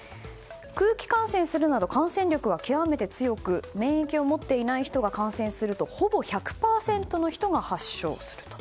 空気感染するなど感染力は極めて強く免疫を持たない人が感染するとほぼ１００％の人が発症すると。